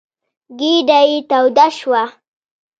ګېډه یې توده شوه.